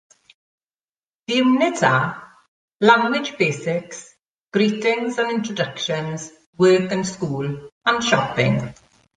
The units are: Language Basics, Greetings and Introductions, Work and School, and Shopping.